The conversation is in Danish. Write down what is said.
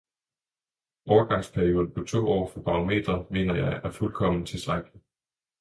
Overgangsperioden på to år for barometre mener jeg er fuldkommen tilstrækkelig.